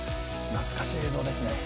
懐かしい映像ですね。